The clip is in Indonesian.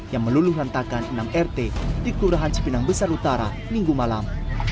yang meluluh rentakan enam rt di kelurahan cipinang besar utara minggu malam